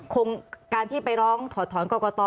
คงการที่ไปร้องถอนกว่าต่อ